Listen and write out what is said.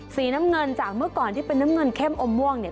สีน้ำเงินจากเมื่อก่อนที่เป็นน้ำเงินเข้มอมม่วงเนี่ย